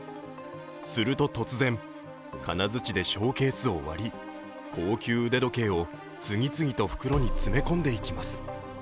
すると、突然金づちでショーケースを割り高級腕時計を次々と袋に詰め込んでいきます。